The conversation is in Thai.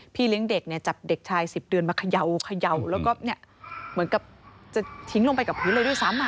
เลี้ยงเด็กเนี่ยจับเด็กชาย๑๐เดือนมาเขย่าแล้วก็เหมือนกับจะทิ้งลงไปกับพื้นเลยด้วยซ้ำ